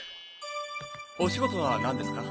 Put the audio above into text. お仕事はなんですか？